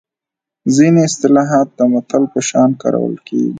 ځینې اصطلاحات د متل په شان کارول کیږي